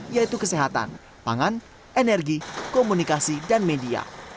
yaitu kesehatan pangan energi komunikasi dan media